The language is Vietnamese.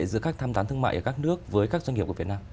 giữa các tham tán thương mại ở các nước với các doanh nghiệp của việt nam